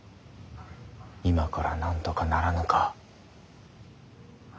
今からなんとかならぬか。